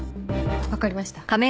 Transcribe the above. わかりました。